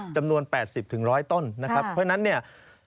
จำนวน๘๐๑๐๐ต้นนะครับเพราะฉะนั้นเนี่ย